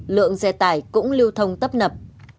lượng xe tải cũng lưu thông tấp nập